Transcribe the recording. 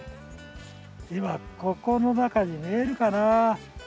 今ここの中に見えるかな？